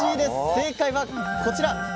正解はこちら。